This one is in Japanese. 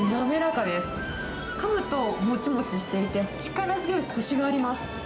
かむともちもちしていて、力強いこしがあります。